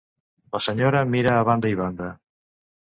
La senyora mira a banda i banda.